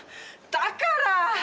だから！